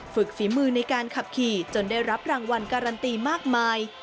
ฝีมือในการขับขี่จนได้รับรางวัลการันตีมากมาย